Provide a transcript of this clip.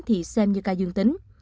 thì xem như ca dương tính